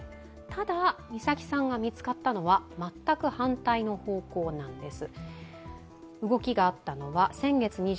ただ、美咲さんが見つかったのは全く反対の方なんです。